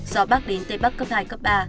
gió bắc đến tây bắc cấp hai cấp ba